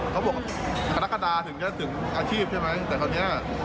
เขาบอกกรกฎาถึงจะถึงอาชีพใช่ไหมแต่คราวนี้